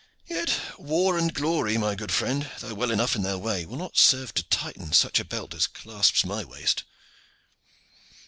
Yet war and glory, my good friend, though well enough in their way, will not serve to tighten such a belt as clasps my waist."